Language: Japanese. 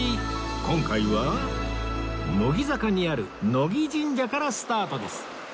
今回は乃木坂にある乃木神社からスタートです